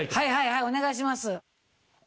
はいお願いします。